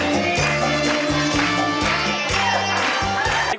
หนาง